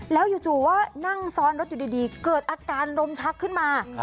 แล้วจู่ว่านั่งซ้อนรถอยู่ดีเกิดอาการลมชักขึ้นมา